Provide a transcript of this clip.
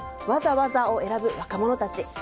わざわざを選ぶ若者たち。